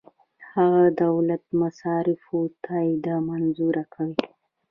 هغه د دولت د مصارفو تادیه منظوره کوي.